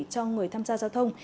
cho người tham gia giao thông